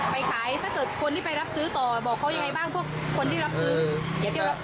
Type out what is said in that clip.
ไปขายถ้าเกิดคนที่ไปรับซื้อต่อบอกเขายังไงบ้างพวกคนที่รับซื้อเดี๋ยวจะรับ